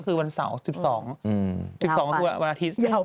๑๑ก็คือวันเสาร์๑๒วันอาทิตย์